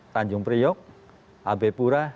tanjung priok ab purwok